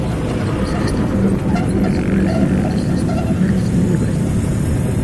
El paisaje está formado por espigas, flores y frutos, cestas, pájaros y liebres.